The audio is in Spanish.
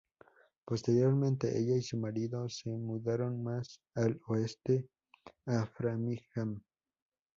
Posteriormente, ella y su marido se mudaron más al oeste, a Framingham.